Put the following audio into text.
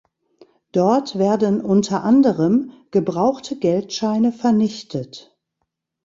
Dort werden unter anderem gebrauchte Geldscheine vernichtet.